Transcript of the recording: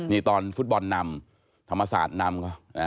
มีตอนฟุตบอลนำถามศาสตร์นำ